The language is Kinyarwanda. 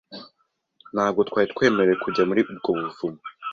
Ntabwo twari twemerewe kujya muri ubwo buvumo.